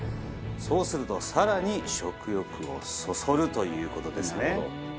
そうすると更に食欲をそそるという事ですね。